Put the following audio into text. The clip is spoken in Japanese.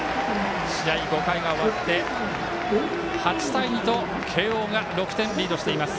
試合、５回が終わって８対２と慶応が６点リードしています。